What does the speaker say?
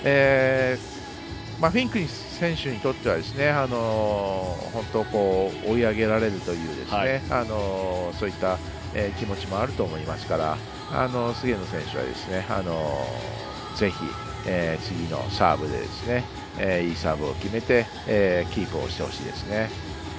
フィンク選手にとっては追い上げられるという気持ちもあると思いますから菅野選手は、ぜひ次のサーブでいいサーブを決めてキープをしてほしいですね。